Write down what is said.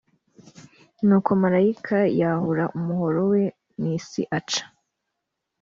nuko marayika yahura umuhoro we mu isi aca